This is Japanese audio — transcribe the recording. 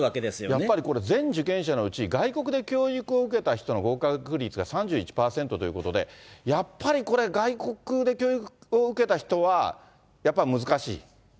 やっぱりこれ、全受験者のうち、外国で教育を受けた人の合格率が３１％ということで、やっぱりこれ、外国で教育を受けた人は、やっぱり難しい？